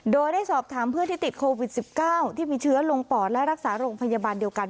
โดยได้สอบถามเพื่อนที่ติดโควิด๑๙ที่มีเชื้อลงปอดและรักษาโรงพยาบาลเดียวกัน